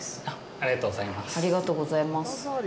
ありがとうございます。